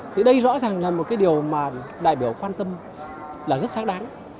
thì đây rõ ràng là một cái điều mà đại biểu quan tâm là rất xác đáng